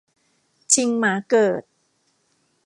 ชิงหมาเกิด